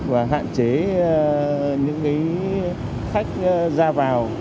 và hạn chế những cái khách ra vào